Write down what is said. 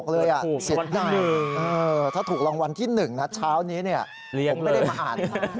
เสียใจถ้าถูกรางวัลที่๑นะเช้านี้เนี่ยผมไม่ได้มาอ่าน